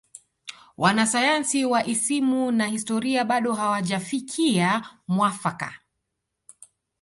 Wanasayansi wa isimu na historia bado hawajafikia mwafaka